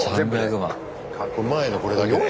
前のこれだけで？